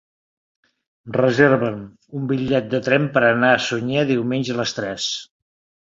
Reserva'm un bitllet de tren per anar a Sunyer diumenge a les tres.